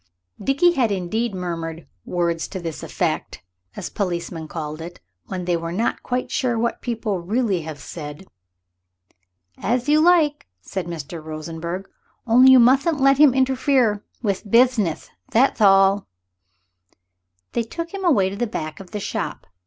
Dickie had indeed murmured "words to this effect," as policemen call it when they are not quite sure what people really have said. "Ath you like," said Mr. Rosenberg, "only you muthn't let him interfere with bithneth; thath all." They took him away to the back of the shop.